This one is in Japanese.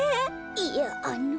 いやあの。